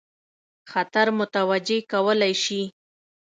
خطر متوجه کولای شي.